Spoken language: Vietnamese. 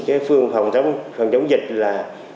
cái phương phòng chống dịch là